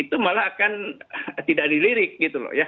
itu malah akan tidak dilirik gitu loh ya